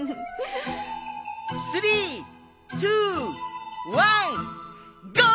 ３２１ゴー！